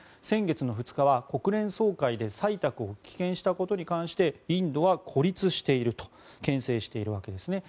先月２日は国連総会で採択を棄権したことに関してインドは孤立しているとけん制しているわけです。